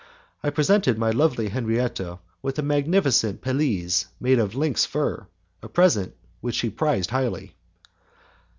I presented my beloved Henriette with a magnificent pelisse made of lynx fur a present which she prized highly.